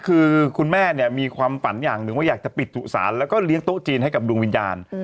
คือคุณแม่เนี่ยมีความฝันอย่างหนึ่งว่าอยากจะปิดสุสานแล้วก็เลี้ยงโต๊ะจีนให้กับดวงวิญญาณ